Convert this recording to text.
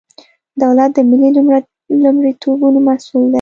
دولت د ملي لومړیتوبونو مسئول دی.